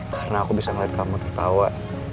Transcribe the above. karena aku bisa ngeliat kamu tertawa